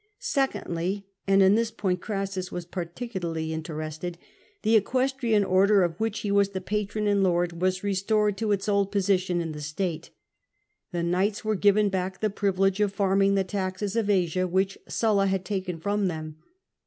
Secondly, and in this point Crassus was particularly interested, the Equestrian Order, of which he was the patron and lord, was restored to its old position in the state.^ The knights were given back the privilege of farming the taxes of Asia, which Sulla had taken from them.